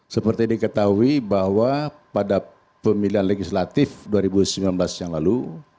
seperti diketahui bahwa pada pemilihan legislatif dua ribu sembilan belas yang lalu